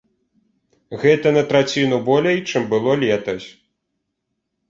Гэта на траціну болей, чым было летась.